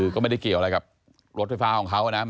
ก็ไม่ได้เกี่ยวอะไรกับรถไฟฟ้าของเขานะ